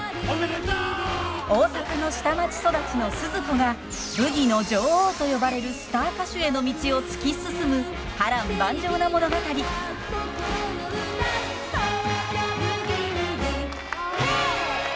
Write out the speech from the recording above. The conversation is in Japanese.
大阪の下町育ちのスズ子がブギの女王と呼ばれるスター歌手への道を突き進む波乱万丈な物語。へいっ！